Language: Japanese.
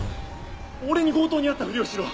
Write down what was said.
俺に強盗に遭ったふりをしろ！